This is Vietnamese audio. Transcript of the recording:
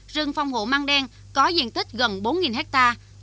rừng phòng hộ mang đen có diện tích gần bốn hectare